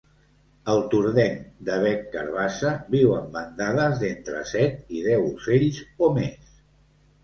El tordenc de bec carabassa viu en bandades d'entre set i deu ocells, o més.